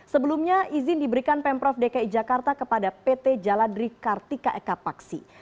sebelumnya izin diberikan pemprov dki jakarta kepada pt jaladri kartika eka paksi